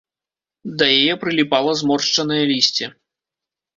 Да яе прыліпала зморшчанае лісце.